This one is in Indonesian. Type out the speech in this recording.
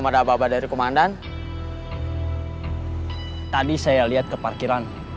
kebubaran dari terminal kita kumpul di depan wc umum